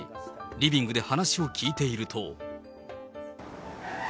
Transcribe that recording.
リビングで話を聞いていると。